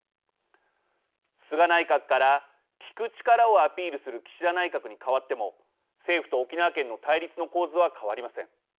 菅内閣から聞く力をアピールする岸田内閣にかわっても政府と沖縄県の対立の構図は変わりません。